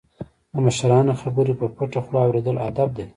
د مشرانو خبرې په پټه خوله اوریدل ادب دی.